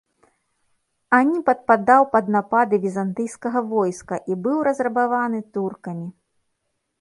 Ані падпадаў пад напады візантыйскага войска і быў разрабаваны туркамі.